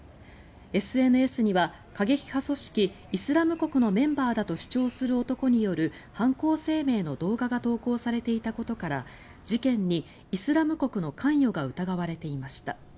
ＳＮＳには過激派組織イスラム国のメンバーだと主張する男による犯行声明の動画が投稿されていたことから事件にイスラム国の関与が疑われていました。